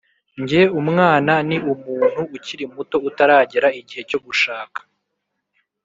nge, umwana ni umuntu ukiri muto utaragera igihe cyo gushaka."